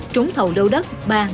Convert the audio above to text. trúng thầu lâu đất ba trăm một mươi hai